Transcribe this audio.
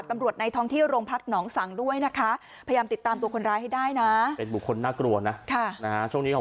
ต้องไงคนกูหนีก็ต้องจงไว้หรอกประหารโหลด